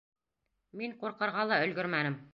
Мин ҡурҡырға ла өлгөрмәнем.